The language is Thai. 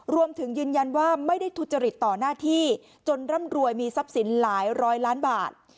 ยืนยันว่าไม่ได้ทุจริตต่อหน้าที่จนร่ำรวยมีทรัพย์สินหลายร้อยล้านบาท